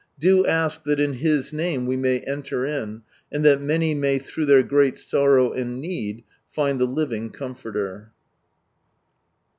Do ask that in His name we may enter in, and that many may through their great sorrow and need find the Living Comforter.